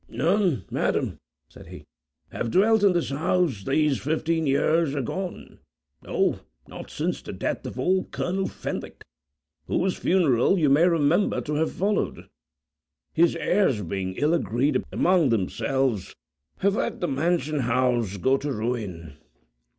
"None, Madam," said he, "have dwelt in this house these fifteen years agone,—no, not since the death of old Colonel Fenwicke, whose funeral you may remember to have followed. His heirs being ill agreed among themselves, have let the mansion house go to ruin."